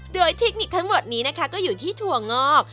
โดยเทคนิคทั้งหมดนี้นะคะก็อยู่ที่ถั่วงอก